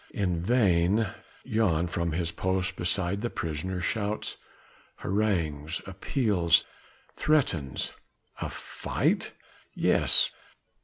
In vain Jan from his post beside the prisoner shouts, harangues, appeals, threatens! A fight? yes!